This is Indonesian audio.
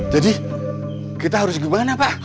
jadi kita harus kemana pak